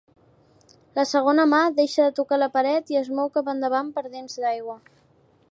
La segona mà deixa de tocar la paret i es mou cap endavant per dins d'aigua.